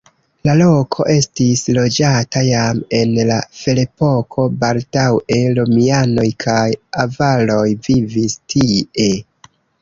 La loko estis loĝata jam en la ferepoko, baldaŭe romianoj kaj avaroj vivis tie.